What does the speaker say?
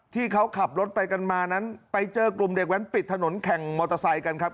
ที่เขาขับรถไปกันมานั้นไปเจอกลุ่มเด็กแว้นปิดถนนแข่งมอเตอร์ไซค์กันครับ